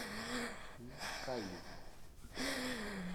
Um caiu